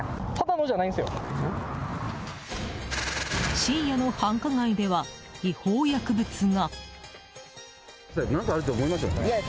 深夜の繁華街では違法薬物が。